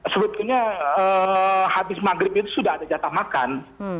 sebetulnya habis maghrib itu sudah ada jatah makan